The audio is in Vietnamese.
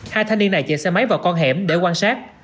hai thanh niên này chạy xe máy vào con hẻm để quan sát